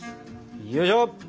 よいしょ。